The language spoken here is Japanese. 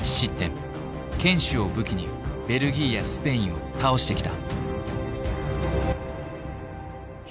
堅守を武器にベルギーやスペインを倒してきた。